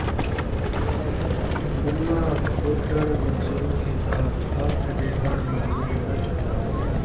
ملّاں ٻݙݨ منظور کیتا ، ہتھ ݙیوݨ منظور ناں کیتا